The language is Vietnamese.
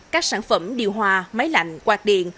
các sản phẩm điều hòa máy lạnh quạt điện